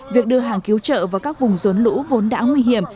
việc đưa hàng cứu trợ vào các vùng rốn lũ vốn đã nguy hiểm